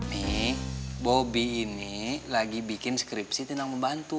nih bobby ini lagi bikin skripsi tentang pembantu